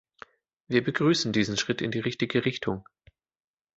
Wir begrüßen diesen Schritt in die richtige Richtung.